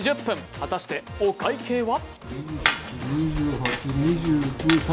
果たしてお会計は？